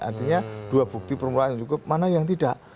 artinya dua bukti permulaan yang cukup mana yang tidak